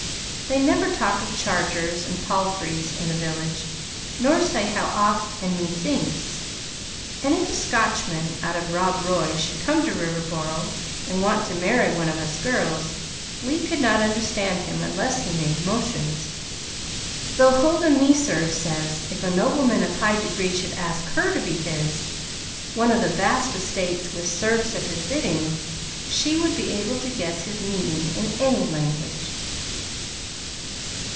They never talk of chargers and palfreys in the village, nor say How oft and Methinks, and if a Scotchman out of Rob Roy should come to Riverboro and want to marry one of us girls we could not understand him unless he made motions; though Huldah Meserve says if a nobleman of high degree should ask her to be his, one of vast estates with serfs at his bidding, she would be able to guess his meaning in any language.